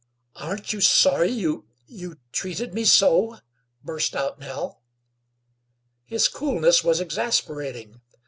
"Aren't you sorry you you treated me so?" burst out Nell. His coolness was exasperating.